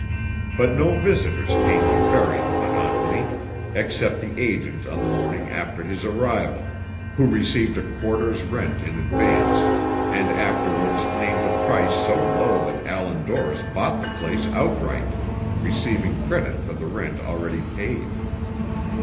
But no visitors came to vary the monotony, except the agent on the morning after his arrival, who received a quarter's rent in advance, and afterwards named a price so low that Allan Dorris bought the place outright, receiving credit for the rent already paid.